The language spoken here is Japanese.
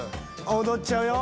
踊っちゃうよ